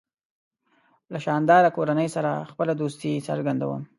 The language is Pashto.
له شانداره کورنۍ سره خپله دوستي څرګندوم.